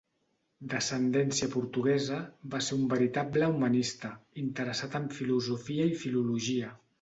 D'ascendència portuguesa, va ser un veritable humanista, interessat en filosofia i filologia.